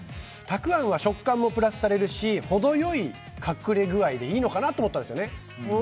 たくあんは食感もプラスされるし程良い隠れ具合でいいのかなと思ったんですよね。